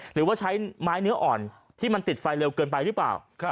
หรือว่าใช้ไม้เนื้ออ่อนที่มันติดไฟเร็วเกินไปหรือเปล่า